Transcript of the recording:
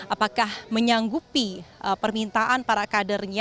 apakah menyanggupi permintaan para kadernya